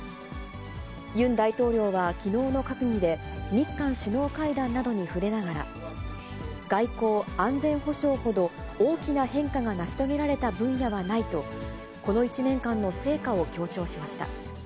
ユン大統領はきのうの閣議で、日韓首脳会談などに触れながら、外交・安全保障ほど大きな変化が成し遂げられた分野はないと、この１年間の成果を強調しました。